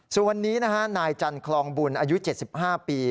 ส่วนวันนี้นะฮะนายจันคลองบุญอายุ๗๕ปี